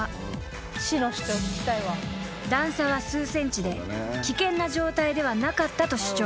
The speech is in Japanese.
［段差は数ｃｍで危険な状態ではなかったと主張］